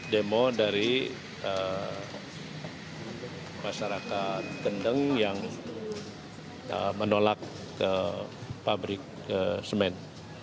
demo dari masyarakat kendeng yang menolak ke pabrik semen